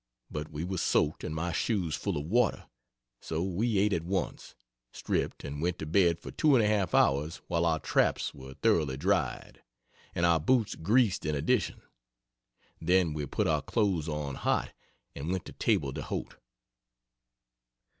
But we were soaked and my shoes full of water, so we ate at once, stripped and went to bed for 2 1/2 hours while our traps were thoroughly dried, and our boots greased in addition. Then we put our clothes on hot and went to table d'hote.